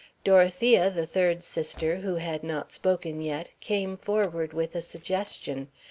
Dorothea, the third sister (who had not spoken yet), came forward with a suggestion.